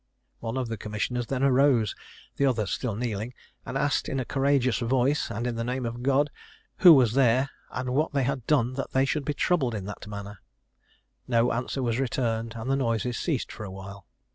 One of the commissioners then arose, the others still kneeling, and asked in a courageous voice, and in the name of God, who was there, and what they had done that they should be troubled in that manner. No answer was returned, and the noises ceased for a while.